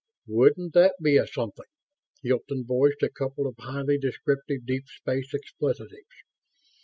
"Wouldn't that be a something?" Hilton voiced a couple of highly descriptive deep space expletives.